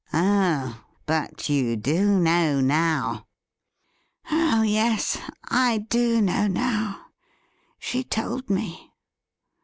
' Oh, but you do know now .?'' Oh yes, I do know now ; she told me.'